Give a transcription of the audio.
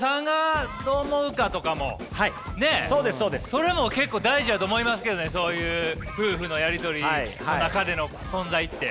それも結構大事やと思いますけどねそういう夫婦のやり取りの中での存在って。